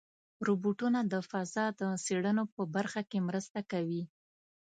روبوټونه د فضا د څېړنو په برخه کې مرسته کوي.